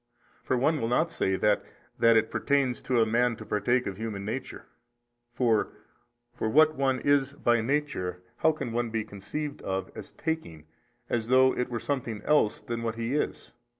for one will not say that that it pertains to a man to partake of human nature: for |248 what one is by nature how can one be conceived of as taking 6 as though it were something else than what he is?